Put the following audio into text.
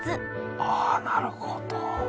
あなるほど。